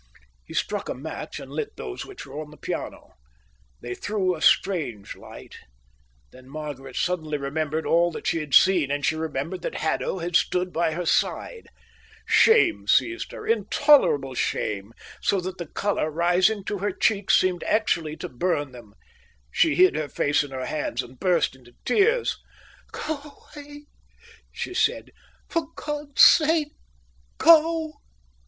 He struck a match and lit those which were on the piano. They threw a strange light. Then Margaret suddenly remembered all that she had seen, and she remembered that Haddo had stood by her side. Shame seized her, intolerable shame, so that the colour, rising to her cheeks, seemed actually to burn them. She hid her face in her hands and burst into tears. "Go away," she said. "For God's sake, go."